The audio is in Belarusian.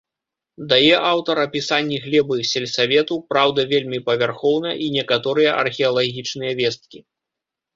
Дае аўтар апісанні глебы сельсавету, праўда, вельмі павярхоўна, і некаторыя археалагічныя весткі.